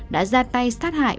đã ra tay sát hại